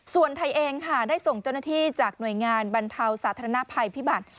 ส่วนไทยเองค่ะได้ส่งเจ้าหน้าที่จากหน่วยงานบรรเทาสาธารณภัยพิบัติ